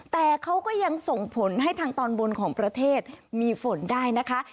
แต่เขาก็ยังส่งผลให้ทางตอนบนของประเทศมีฝนได้นะคะ